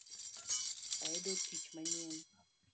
Ayudo tiich manyien